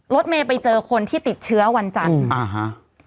รถเมย์ไปเจอคนที่ติดเชื้อวันจันทร์อ่าฮะ